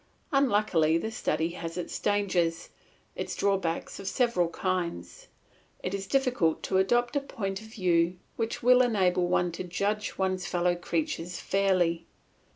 Unluckily this study has its dangers, its drawbacks of several kinds. It is difficult to adopt a point of view which will enable one to judge one's fellow creatures fairly.